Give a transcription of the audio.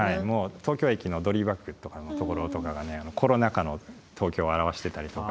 東京駅のドリーバックとかのところとかがねコロナ禍の東京を表してたりとか。